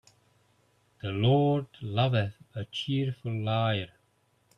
The Lord loveth a cheerful liar.